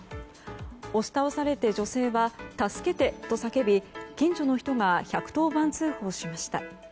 押し倒されて、女性は助けてと叫び近所の人が１１０番通報しました。